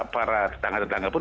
para tetangga tetangga pun